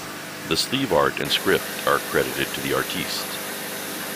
The sleeve art and script are credited to the artiste.